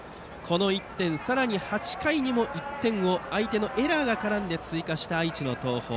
さらに８回にも１点を相手のエラーが絡んで追加した愛知の東邦。